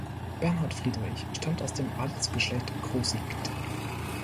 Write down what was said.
Bernhard Friedrich stammt aus dem Adelsgeschlecht Krosigk.